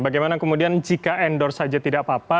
bagaimana kemudian jika endorse saja tidak apa apa